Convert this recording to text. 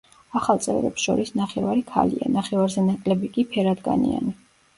ახალ წევრებს შორის ნახევარი ქალია, ნახევარზე ნაკლები კი – ფერადკანიანი.